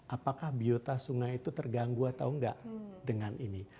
apakah biota sungai itu terganggu atau enggak dengan ini